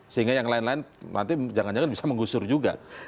sehingga yang lain lain nanti jangan jangan bisa menggusur juga